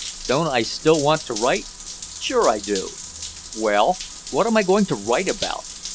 Don't I still want to write? Sure I do. Well, what am I going to write about?